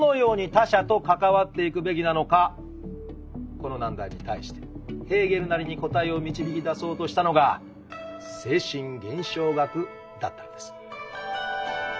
この難題に対してヘーゲルなりに答えを導きだそうとしたのが「精神現象学」だったのです。